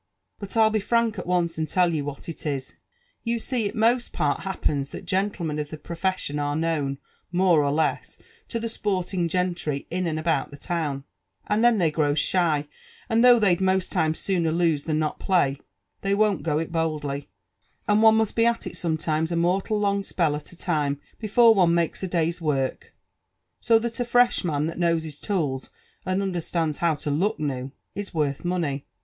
But 1*11 be frank at once and tell you what it is. You see it most part hiappert^ that gentlemen of the profession are knoii'n, more or less, to the sport ing gentry In and about the town^, and then they grows shy, and though they'd most times sooner lose than not play, th^y won't go it boldly, and one must be at it sometimes a mortal lopg spell at a time before one makes a day's Work ; so that a fresh man that knows h\% tools, and understands how to look new, is worth money.